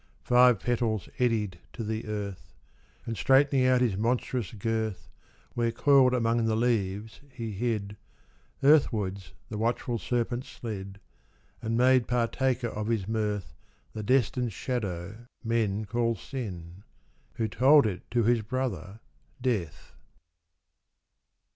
Five petals eddied to the earth ; And straightening out his monstrous girth Where coiled among the leaves he hid, Earthwards the watchful Serpent slid, And made partaker of his mirth The destined shadow men call Sin, Who told it to his brother Death.